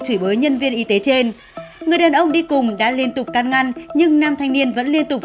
chửi bới nhân viên y tế trên người đàn ông đi cùng đã liên tục can ngăn nhưng nam thanh niên vẫn liên tục